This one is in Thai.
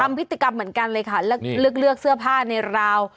พฤติกรรมเหมือนกันเลยค่ะเลือกเลือกเสื้อผ้าในราว